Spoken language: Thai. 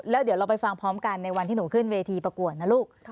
แล้วเดี๋ยวเราไปฟังพร้อมกันในวันที่หนูขึ้นเวทีประกวดนะลูก